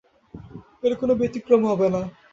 এর কোনো ব্যতিক্রম হবে না।